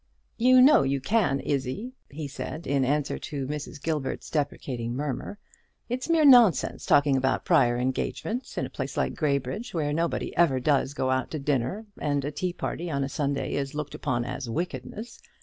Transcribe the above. "You know you can, Izzie," he said, in answer to Mrs. Gilbert's deprecating murmur; "it's mere nonsense talking about prior engagements in a place like Graybridge, where nobody ever does go out to dinner, and a tea party on a Sunday is looked upon as wickedness.